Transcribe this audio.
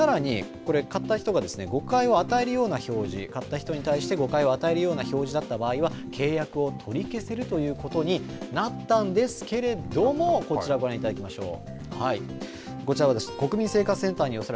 さらに、これ買った人がですね誤解を与えるような表示買った人に対して誤解を与えるような表示のあった場合は契約を取り消せるということになったんですけれどもこちらご覧いただきましょう。